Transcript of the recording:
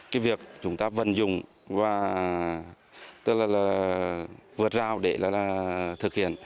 cái việc chúng ta vận dụng và vượt rao để thực hiện